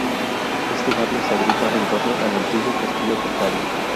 Éste barrio se agrupa en torno al antiguo Castillo templario.